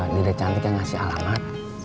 dede cantik yang ngasih alamat